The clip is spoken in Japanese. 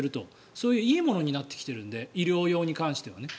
そういういいものになってきているので医療用に関してはね。